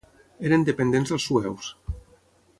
Eren dependents dels sueus.